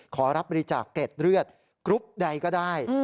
ขอรับบริจาคเกร็ดเลือดกรุ๊ปใดก็ได้